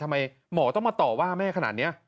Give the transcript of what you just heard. ทำไมหมอต้องมาต่อว่าแม่ขนาดนี้